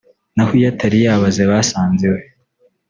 naho iyo atari yabaze basanze iwe